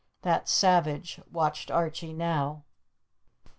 That savage watched Archie now.